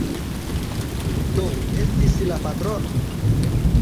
Do li estis la patrono?